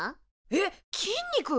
えっ筋肉！？